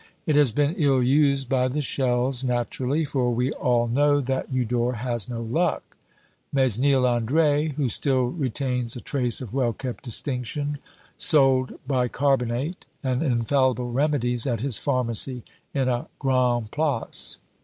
It has been ill used by the shells naturally, for we all know that Eudore has no luck. Mesnil Andre, who still retains a trace of well kept distinction, sold bicarbonate and infallible remedies at his pharmacy in a Grande Place.